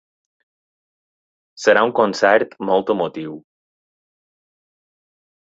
Serà un concert molt emotiu.